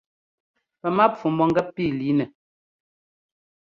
Pɛ́ mápfu mɔ̂gɛ́p pí lǐinɛ.